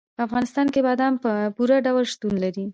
په افغانستان کې بادام په پوره ډول شتون لري.